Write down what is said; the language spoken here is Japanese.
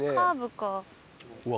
うわ。